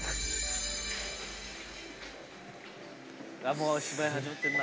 もう芝居始まってんな。